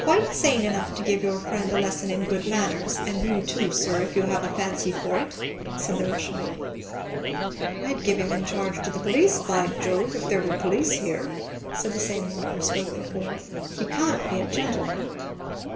"Quite sane enough to give your friend a lesson in good manners; and you too, sir, if you have any fancy for it," said the Russian. "I'd give him in charge to the police, by Jove! if there were police here," said the same one who spoke before; "he can't be a gentleman."